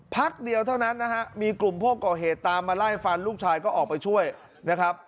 พักเดียวเท่านั้นนะฮะมีกลุ่มพวกก่อเหตุตามมาไล่ฟันลูกชายก็ออกไปช่วยนะครับ